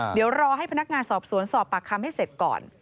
เดี๋ยวรอให้พนักงานสอบสวนสอบปากคำให้เสร็จก่อน